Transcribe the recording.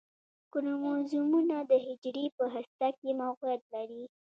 کروموزومونه د حجرې په هسته کې موقعیت لري